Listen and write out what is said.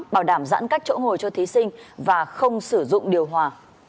bảo đảm giãn cách chỗ ngồi cho thí sinh và không sử dụng điều hòa